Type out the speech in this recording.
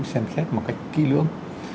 xem xét một cách kỹ lưỡng